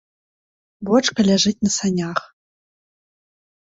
Бочка ляжыць на санях.